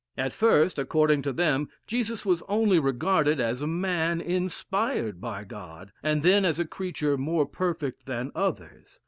At first, according to them, Jesus was only regarded as a man inspired by God, and then as a creature more perfect than others.